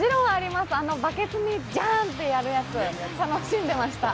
バケツにジャンってやるなつ、楽しんでました。